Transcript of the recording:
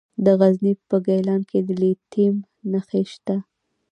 د غزني په ګیلان کې د لیتیم نښې شته.